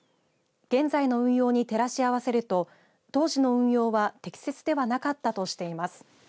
現在の運用に照らし合わせると当時の運用は適切ではなかったとしています。